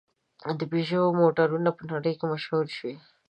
د پيژو موټرونه په نړۍ کې مشهور شوي.